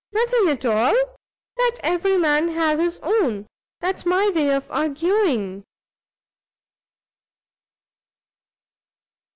nothing at all. Let every man have his own; that's my way of arguing."